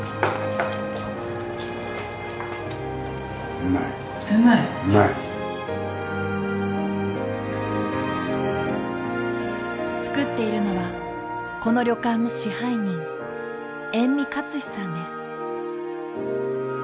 うまい？作っているのはこの旅館の支配人延味克士さんです。